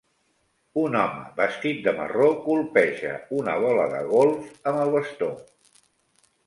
Un home vestit de marró colpeja una bola de golf amb el bastó.